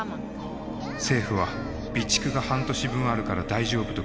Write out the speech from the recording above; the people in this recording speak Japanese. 政府は備蓄が半年分あるから大丈夫と繰り返し言い続けた。